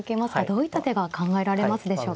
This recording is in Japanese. どういった手が考えられますでしょうか。